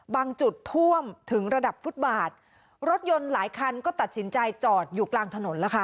บางจุดท่วมถึงระดับฟุตบาทรถยนต์หลายคันก็ตัดสินใจจอดอยู่กลางถนนแล้วค่ะ